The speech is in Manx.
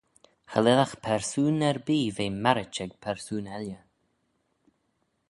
Cha lhisagh persoon erbee ve marrit ec persoon elley.